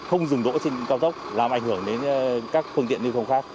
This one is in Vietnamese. không dừng đỗ trên cao tốc làm ảnh hưởng đến các phương tiện lưu thông khác